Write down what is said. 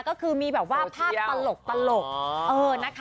ก็คือมีภาพประหลก